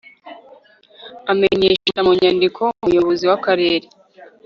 amenyesha mu nyandiko Umuyobozi w Akarere